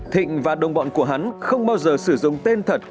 thịnh và đồng bọn của hắn không bao giờ sử dụng tên thật